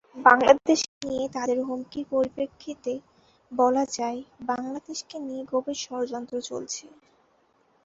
বাংলাদেশকে নিয়ে তাঁদের হুমকির পরিপ্রেক্ষিতে বলা যায়, বাংলাদেশকে নিয়ে গভীর ষড়যন্ত্র চলছে।